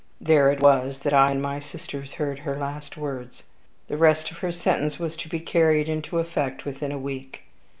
There it was that I and my sisters heard her last words. The rest of her sentence was to be carried into effect within a week.